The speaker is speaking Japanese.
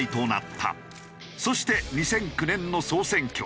そして２００９年の総選挙。